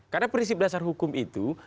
karena prinsip dasar hukum itu